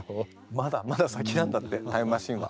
まだまだ先なんだってタイムマシーンは。